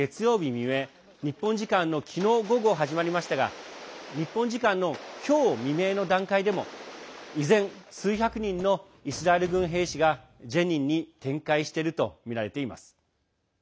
未明日本時間の昨日午後始まりましたが日本時間の今日未明の段階でも依然、数百人のイスラエル軍兵士がジェニンに展開しているとみられています。